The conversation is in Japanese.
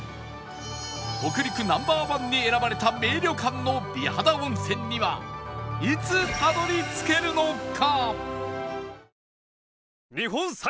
北陸 Ｎｏ．１ に選ばれた名旅館の美肌温泉にはいつたどり着けるのか？